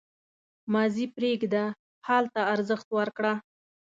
• ماضي پرېږده، حال ته ارزښت ورکړه.